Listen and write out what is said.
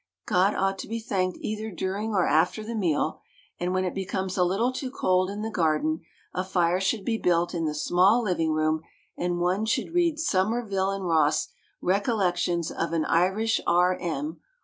God ought to be thanked either during or after the meal, and when it becomes a little too cold in the garden a fire should be built in the small living room and one should read Somerville & Ross' Recollections of an Irish R. M.